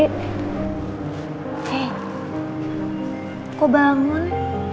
hei kok bangun